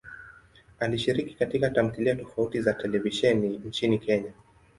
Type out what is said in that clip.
Alishiriki katika tamthilia tofauti za televisheni nchini Kenya.